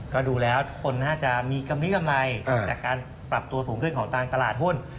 ก็ดูแล้วคนน่าจะมีกำลังจากการปรับตัวสูงขึ้นของตลาดหุ้น